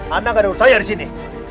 anda gak ada urusan dari sini